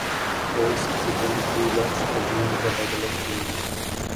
All subsequent rulers assumed the title of king.